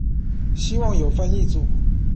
希望有翻譯組